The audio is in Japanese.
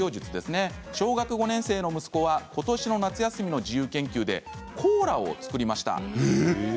小学５年生の息子は、ことしの夏休みの自由研究でコーラを作りました。